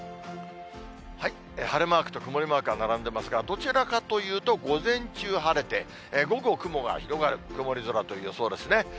晴れマークと曇りマークが並んでますが、どちらかというと、午前中晴れて、午後、雲が広がる、曇り空という予想ですね。